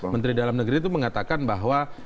menteri dalam negeri itu mengatakan bahwa